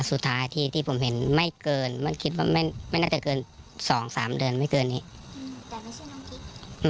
สุดท้ายที่ผมเห็นไม่เกินมันคิดว่าไม่น่าจะเกินสองสามเดือนไม่เกินนี้